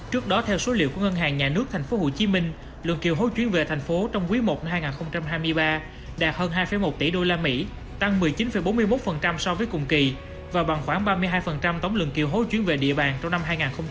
trước đó theo số liệu của ngân hàng nhà nước thành phố hồ chí minh lượng kêu hối chuyển về thành phố trong quý i năm hai nghìn hai mươi ba đạt hơn hai một tỷ đô la mỹ tăng một mươi chín bốn mươi một so với cùng kỳ và bằng khoảng ba mươi hai tổng lượng kêu hối chuyển về địa bàn trong năm hai nghìn hai mươi hai